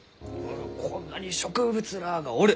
こんなに植物らあがおる。